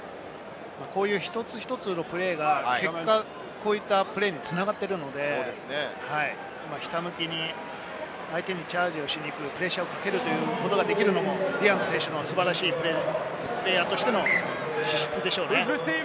こういう一つ一つのプレーが結果、こういったプレーに繋がっているので、ひたむきに相手にチャージをしに行く、プレッシャーをかけるというのができるのも、ディアンズ選手の素晴らしいプレーヤーとしての資質でしょうね。